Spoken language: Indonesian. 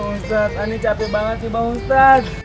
ustadz ini capek banget sih bang ustaz